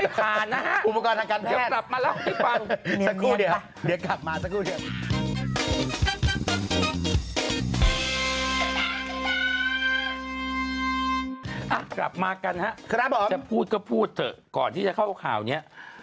กลับมากันครับผมจะพูดก็พูดเถอะก่อนที่จะเข้าข่าวนี้